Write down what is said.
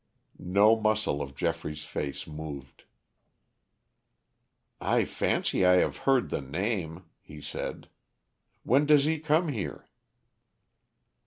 No muscle of Geoffrey's face moved. "I fancy I have heard the name," he said. "When does he come here?"